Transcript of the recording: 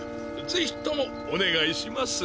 ぜひともおねがいします。